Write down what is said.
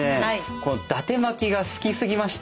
このだて巻きが好きすぎまして。